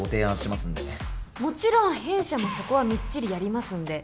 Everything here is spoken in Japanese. もちろん弊社もそこはみっちりやりますんで。